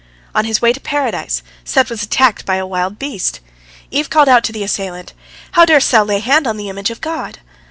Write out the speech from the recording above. On his way to Paradise, Seth was attacked by a wild beast. Eve called out to the assailant, "How durst thou lay hand on the image of God?"